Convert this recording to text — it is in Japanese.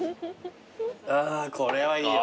あこれはいいよ。